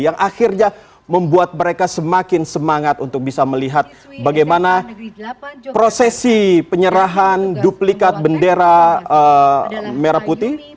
yang akhirnya membuat mereka semakin semangat untuk bisa melihat bagaimana prosesi penyerahan duplikat bendera merah putih